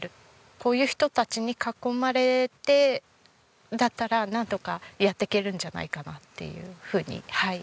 こういう人たちに囲まれてだったらなんとかやっていけるんじゃないかなっていうふうに。